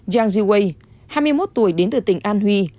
jiang zihui hai mươi một tuổi đến từ tỉnh anhui